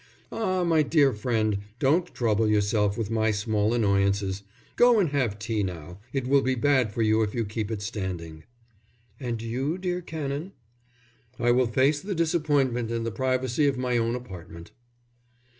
"Ah, my dear friend, don't trouble yourself with my small annoyances. Go and have tea now; it will be bad for you if you keep it standing." "And you, dear Canon?" "I will face the disappointment in the privacy of my own apartment."